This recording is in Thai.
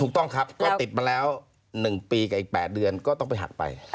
ถูกต้องครับก็ติดมาแล้ว๑ปีกับอีก๘เดือนก็ต้องไปหักไป